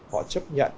họ chấp nhận